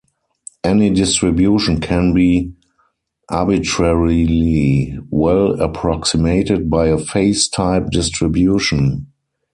Any distribution can be arbitrarily well approximated by a phase type distribution.